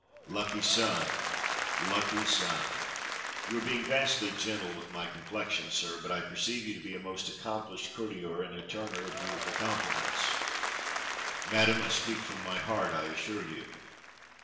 Lucky sun, lucky sun !" "You are being vastly gentle with my complexion, sir, but I perceive you to be a most accomplished cour tier and a turner of beautiful compliments." "Madam, I speak from my heart, I assure you."